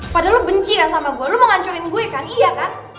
padahal lo benci kan sama gue lo mau nganculin gue kan iya kan